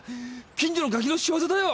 近所のガキの仕業だよ！